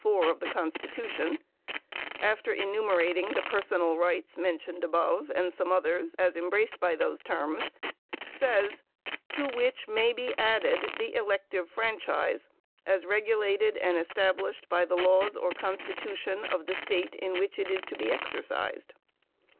4, of the constitution, after enumerating the personal rights mentioned above, and some others, as embraced by those terms, says, "to which may be added the elective franchise, as regulated and established by the laws or constitution of the State in which it is to be exercised."